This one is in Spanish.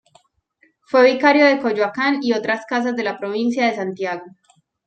Fue vicario de Coyoacán y otras casas de la Provincia de Santiago.